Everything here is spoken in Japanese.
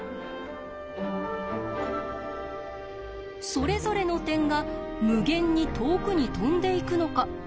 それぞれの点が無限に遠くに飛んでいくのかいかないのか。